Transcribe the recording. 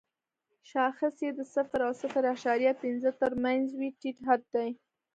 شاخص یې د صفر او صفر اعشاریه پنځه تر مینځ وي ټیټ حد دی.